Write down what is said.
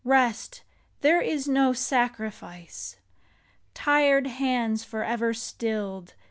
Rest ! there is no sacrifice. Tired hands forever stilled.